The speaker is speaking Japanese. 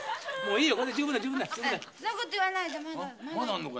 もういいよ。